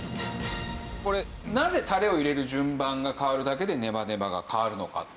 これなぜタレを入れる順番が変わるだけでネバネバが変わるのか。